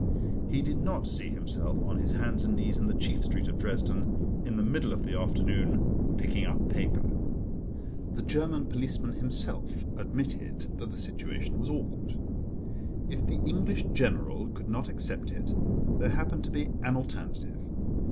He did not see himself on his hands and knees in the chief street of Dresden, in the middle of the afternoon, picking up paper. The German policeman himself admitted that the situation was awkward. If the English General could not accept it there happened to be an alternative.